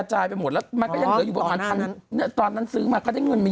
ใช่เพราะว่ามีน้องหลายคนไงบางที